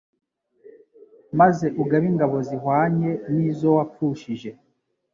maze ugabe ingabo zihwanye n izo wapfushije